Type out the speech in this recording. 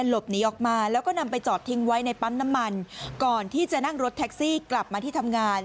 หลบหนีออกมาแล้วก็นำไปจอดทิ้งไว้ในปั๊มน้ำมันก่อนที่จะนั่งรถแท็กซี่กลับมาที่ทำงาน